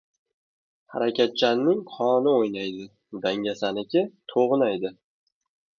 • Harakatchanning qoni o‘ynaydi, dangasaniki ― to‘g‘naydi.